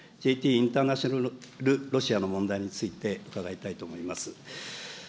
インターナショナルロシアの問題について、伺いたいと思います。